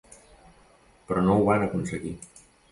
Però no ho van aconseguir.